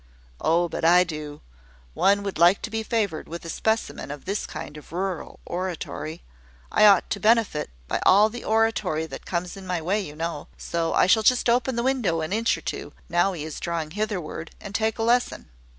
"Oh, but I do. One would like to be favoured with a specimen of this kind of rural oratory. I ought to benefit by all the oratory that comes in my way, you know: so I shall just open the window an inch or two, now he is drawing hitherward, and take a lesson."